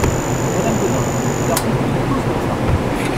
Madame Gaudin Les artistes sont tous comme ça !